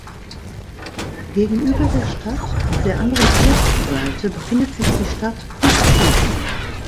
Gegenüber der Stadt, auf der anderen Flussseite, befindet sich die Stadt Kusti.